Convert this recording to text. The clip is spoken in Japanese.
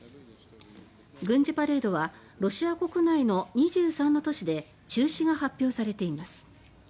軍事パレードはロシア国内の２３の都市で中止が発表されています。